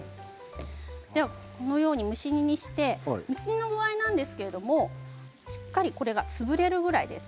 このように蒸し煮にして蒸し煮の具合ですけれどもしっかり潰れるくらいです。